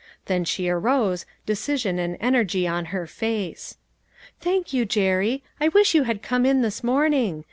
Then she arose, decision and energy on her face. " Thank you, Jerry ; I wish you had come in this morning.